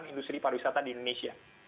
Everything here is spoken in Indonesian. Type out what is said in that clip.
industri pariwisata di indonesia